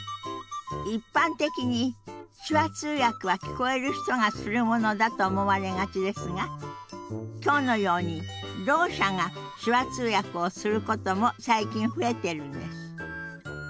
一般的に手話通訳は聞こえる人がするものだと思われがちですが今日のようにろう者が手話通訳をすることも最近増えてるんです。